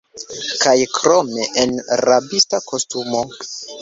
Kaj krome, en rabista kostumo!